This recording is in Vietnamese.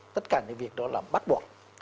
tất cả những việc đó là bắt buộc